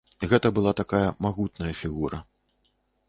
Гэта была такая магутная фігура.